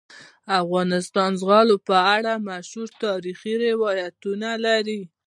افغانستان د زغال په اړه مشهور تاریخی روایتونه لري.